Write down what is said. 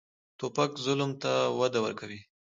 توپک ظلم ته وده ورکوي.